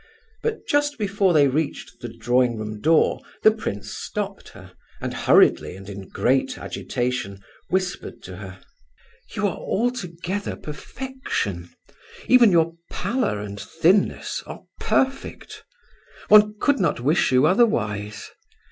But just before they reached the drawing room door, the prince stopped her, and hurriedly and in great agitation whispered to her: "You are altogether perfection; even your pallor and thinness are perfect; one could not wish you otherwise.